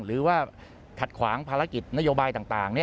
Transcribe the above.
หรือว่าขัดขวางภารกิจนโยบายต่าง